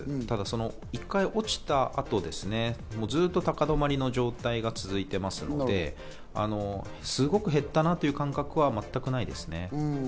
ただ１回、落ちた後ずっと高止まりの状態が続いていますので、すごく減ったなという感覚は全くないですね。